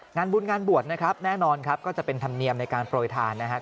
งานบุญงานบวชนะครับแน่นอนครับก็จะเป็นธรรมเนียมในการโปรยทานนะครับ